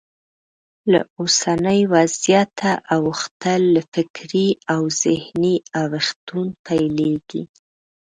له اوسني وضعیته اوښتل له فکري او ذهني اوښتون پیلېږي.